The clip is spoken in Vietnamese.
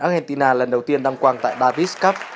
argentina lần đầu tiên đăng quang tại davis cup